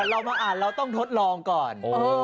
เรามาอ่านเราต้องทดลองก่อน